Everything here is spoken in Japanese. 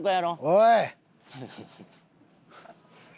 おい。